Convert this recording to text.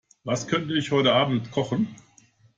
Was könnte ich heute Abend kochen?